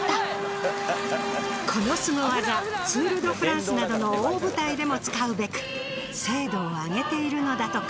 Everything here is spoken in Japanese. このスゴ技ツール・ド・フランスなどの大舞台でも使うべく精度を上げているのだとか。